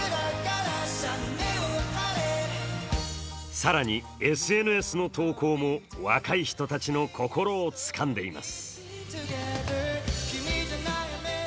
さらにＳＮＳの投稿も若い人たちの心をつかんでいます。